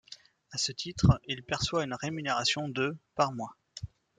À ce titre, il perçoit une rémunération de par mois.